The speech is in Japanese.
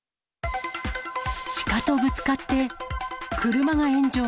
鹿とぶつかって車が炎上。